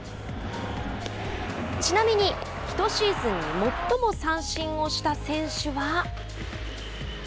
ちなみに１シーズンで最も三振をした選手は。